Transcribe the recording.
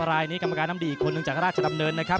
รายนี้กรรมการน้ำดีอีกคนนึงจากราชดำเนินนะครับ